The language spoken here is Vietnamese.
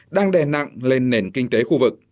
đang đè nặng lên nền kinh tế khu vực